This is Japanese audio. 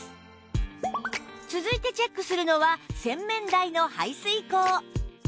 続いてチェックするのは洗面台の排水口